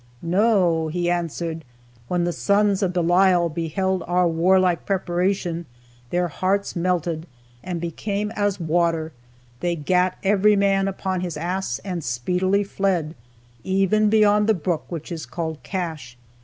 "No," he answered; "when the sons of Belial beheld our warlike preparation, their hearts melted, and became as water; they gat every man upon his ass, and speedily fled, even beyond the brook which is called Cache."